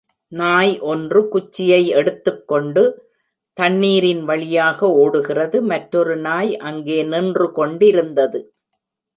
நாய் ஒன்று குச்சியை எடுத்து கொண்டு தண்ணீரின் வழியாக ஓடுகிறது, மற்றொரு நாய் அங்கே நின்றுகொண்டிருந்தது.